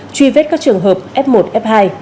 truy vết các trường hợp f một f hai